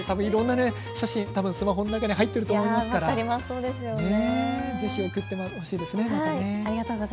多分いろんな写真、スマホの中に入ってると思いますからぜひ送ってほしいですね。